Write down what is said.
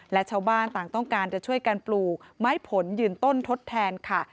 และชาวบ้านต่างต้องการจะช่วยการปลูกไม้ผลยืนต้นทดแทนค่ะ